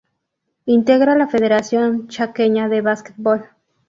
Integra la Federación Chaqueña de Básquetbol.